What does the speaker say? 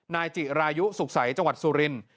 นายจิรายุสุขใสจังหวัดสุรินทร์